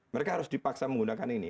mereka harus dipaksa menggunakan ini